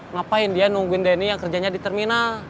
ngapain dia nungguin denny yang kerjanya di terminal